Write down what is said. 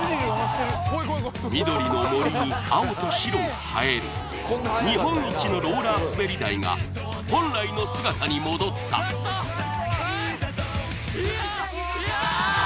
緑の森に青と白が映える日本一のローラーすべり台が本来の姿に戻ったラスト！